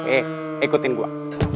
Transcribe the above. eh ikutin gua